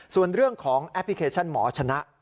ส่วนเรื่องของแอปพลิเคชันหมอชนะ